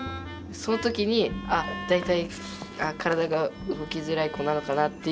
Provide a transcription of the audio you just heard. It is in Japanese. その時にあっ大体体が動きづらい子なのかなっていうふうに理解しました。